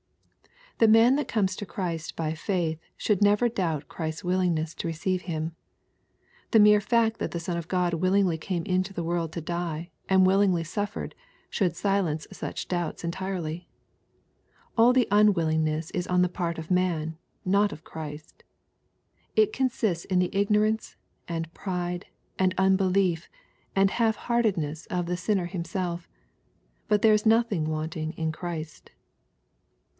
The man that comes to Christ by faith should never doubt Christ's willingness to receive Him. The mere fact that the Son of God willingly came into the world to die, and willingly suffered, should silence such doubts entirely. All the unwillingness is on the part of man, not of Christ. It consists in the ignorance, and pride, and unbelief, and half heartednessof the sinner himself. But there is nothing wanting in Christ.